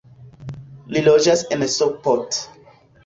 Li loĝas en Sopot.